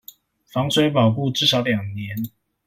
防水保固至少兩年